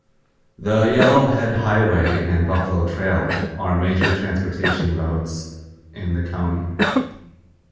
The Yellowhead Highway and Buffalo Trail are major transportation routes in the County.